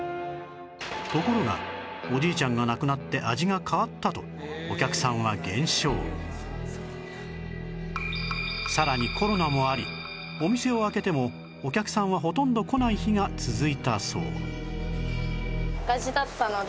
ところがおじいちゃんが亡くなってさらにコロナもありお店を開けてもお客さんはほとんど来ない日が続いたそう